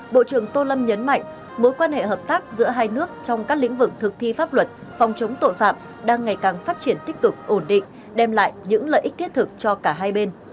bộ trưởng tô lâm nhấn mạnh mối quan hệ hợp tác giữa hai nước trong các lĩnh vực thực thi pháp luật phòng chống tội phạm đang ngày càng phát triển tích cực ổn định đem lại những lợi ích thiết thực cho cả hai bên